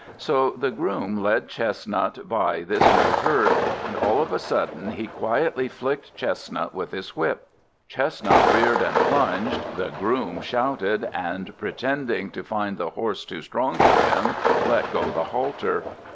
So the groom led Chestnut by this new herd, and, all of a sudden, he quietly flicked Chestnut with his whip; Chestnut reared and plunged, the groom shouted, and, pretending to find the horse too strong for him, let go the halter.